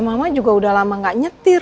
mama juga udah lama gak nyetir